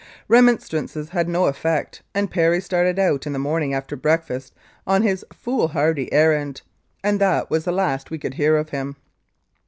Re monstrances had no effect, and Perry started out in the morning after breakfast on his foolhardy errand, and that was the last we could hear of him.